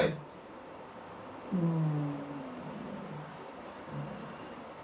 うん。